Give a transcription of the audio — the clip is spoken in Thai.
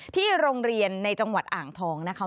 ที่โรงเรียนในจังหวัดอ่างทองนะคะ